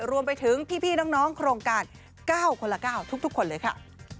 รวมไปถึงพี่น้องโครงการ๙คนละ๙ทุกคนเลยค่ะ